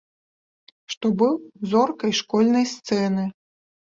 Што быў зоркай школьнай сцэны.